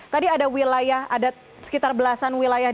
tadi ada wilayah ada sekitar belasan wilayah